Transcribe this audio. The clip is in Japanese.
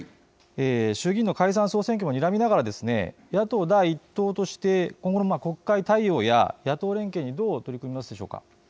衆議院の解散・総選挙もにらみながら野党第１党として今後の国会対応や党運営にどう取り組んでいきますか。